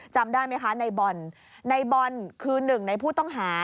จำได้ไหมคะในบอลในบอลคือหนึ่งในผู้ต้องหา